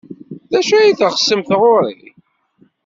D acu ay teɣsemt ɣer-i?